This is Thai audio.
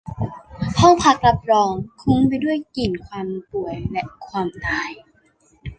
ห้องพักรับรองคลุ้งไปด้วยกลิ่นความป่วยและความตาย